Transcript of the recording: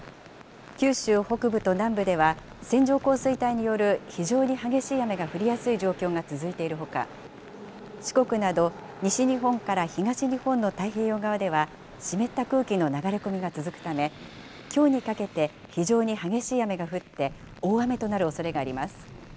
九州北部と南部では、線状降水帯による非常に激しい雨が降りやすい状況が続いているほか、四国など西日本から東日本の太平洋側では、湿った空気の流れ込みが続くため、きょうにかけて非常に激しい雨が降って、大雨となるおそれがあります。